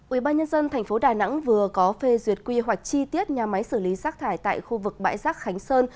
ubnd tp đà nẵng vừa có phê duyệt quy hoạch chi tiết nhà máy xử lý rác thải tại khu vực bãi rác khánh sơn